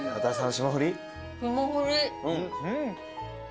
霜降り。